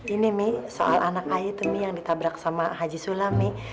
ini mi soal anak ayah itu yang ditabrak sama haji sulam mi